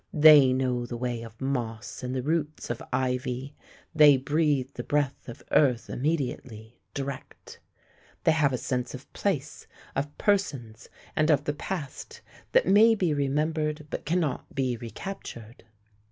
They know the way of moss and the roots of ivy, they breathe the breath of earth immediately, direct. They have a sense of place, of persons, and of the past that may be remembered but cannot be recaptured.